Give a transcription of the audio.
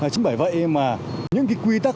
chính bởi vậy mà những cái quy tắc